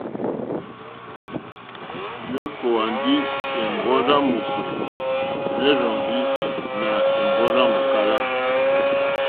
I okòwà ndi è mbɔrzi yà mòkpè, merzɔŋgi nà è mbɔrzi yà mòkala.